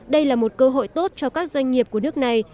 đây là một cơ hội tốt cho các doanh nghiệp của nước này